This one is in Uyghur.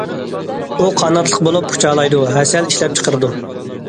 ئۇ قاناتلىق بولۇپ، ئۇچالايدۇ... ھەسەل ئىشلەپچىقىرىدۇ.